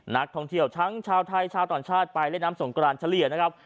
นักท่องเที่ยวทั้งชาวไทยชาวต่างชาติไปเล่นน้ำสงกรานเฉลี่ยนะครับ